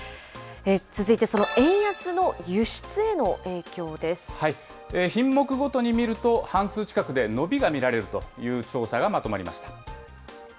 続いてその円安の輸出への影響で品目ごとに見ると、半数近くで伸びが見られるという調査がまとまりました。